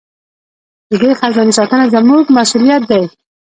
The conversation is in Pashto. د دې خزانې ساتنه زموږ مسوولیت دی.